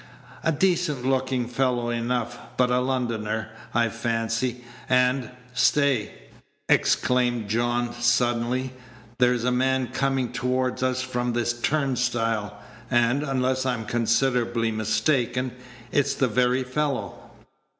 "A decent looking fellow enough; but a Londoner, I fancy, and stay!" exclaimed John, suddenly, "there's a man coming toward us from the turnstile, and, unless I'm considerably mistaken, it's the very fellow."